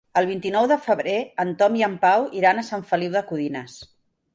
El vint-i-nou de febrer en Tom i en Pau iran a Sant Feliu de Codines.